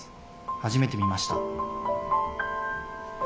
初めて見ました！」。